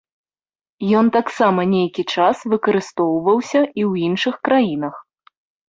Ён таксама нейкі час выкарыстоўваўся і ў іншых краінах.